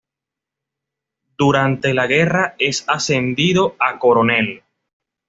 Durante la guerra es ascendido a coronel.